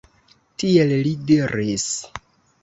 Tiel li diris.